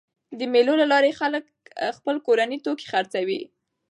د مېلو له لاري خلک خپل کورني توکي خرڅوي.